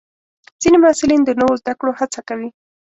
ځینې محصلین د نوو زده کړو هڅه کوي.